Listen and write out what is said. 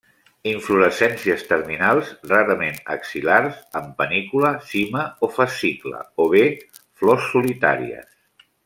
Inflorescències terminals, rarament axil·lars, en panícula, cima o fascicle, o bé flors solitàries.